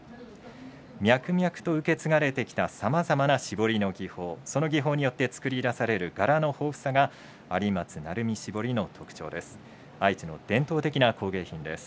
脈々と受け継がれてきたさまざまな絞りの技法その技法によって作り出される柄の豊富さが有松鳴海絞りの特徴です。